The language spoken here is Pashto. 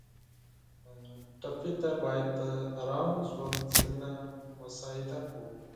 ټپي ته باید د ارام ژوند زمینه مساعده کړو.